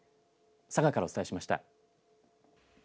佐賀からお伝えしました。